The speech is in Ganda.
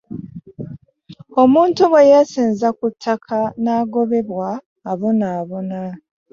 Omuntu bwe yeesenza ku ttaka n'agobebwa abonaabona.